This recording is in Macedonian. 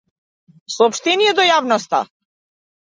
Сооштение до јавноста.